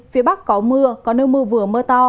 phía bắc có mưa có nơi mưa vừa mưa to